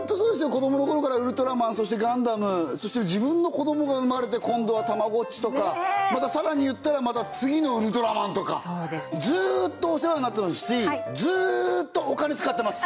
子どものころからウルトラマンそしてガンダムそして自分の子どもが生まれて今度はたまごっちとかまたさらに言ったらまた次のウルトラマンとかずっとお世話になってますしずっとお金使ってます